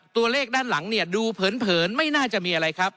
ตัวเลขด้านหลังดูเผินไม่น่าจะมีอะไรครับ